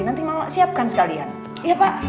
nanti mama siapkan sekalian iya pak